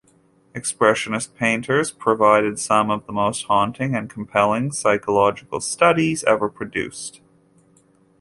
Expressionist painters provided some of the most haunting and compelling psychological studies ever produced.